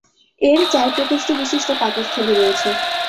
এর চার-প্রকোষ্ঠবিশিষ্ট পাকস্থলী রয়েছে।